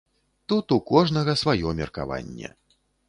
Тут у кожнага, сваё меркаванне.